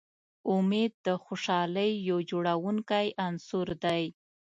امید د خوشحالۍ یو جوړوونکی عنصر دی.